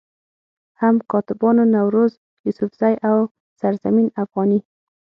هم کاتبانو نوروز يوسفزئ، او سرزمين افغاني